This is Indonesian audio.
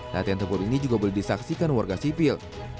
latihan tempur ini juga boleh disaksikan warga sipil